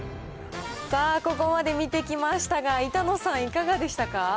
さあ、ここまで見てきましたが、板野さん、いかがでしたか？